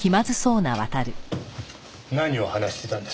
何を話してたんです？